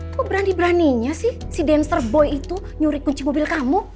kok berani beraninya sih si dancer boy itu nyuri kunci mobil kamu